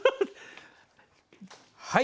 はい！